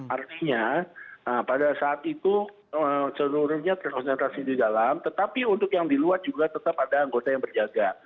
artinya pada saat itu seluruhnya terkonsentrasi di dalam tetapi untuk yang di luar juga tetap ada anggota yang berjaga